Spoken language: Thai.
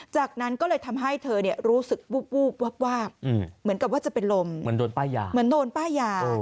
จากนั้นก็เลยทำให้เธอรู้สึกว่าเหมือนกับว่าจะเป็นลมมันโดนป้ายา